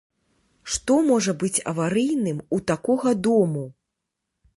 Што можа быць аварыйным у такога дому?